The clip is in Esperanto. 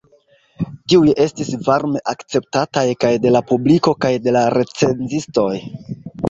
Tiuj estis varme akceptataj kaj de la publiko kaj de la recenzistoj.